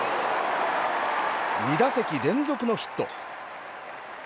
２打席連続のヒット。